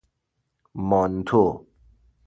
مانتو